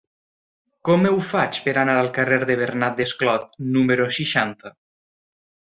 Com ho faig per anar al carrer de Bernat Desclot número seixanta?